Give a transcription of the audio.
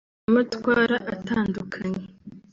Amatwara Atandukanye”